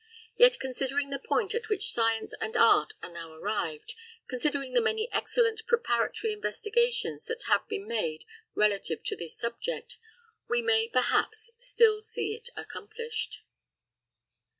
Yet considering the point at which science and art are now arrived, considering the many excellent preparatory investigations that have been made relative to this subject, we may perhaps still see it accomplished.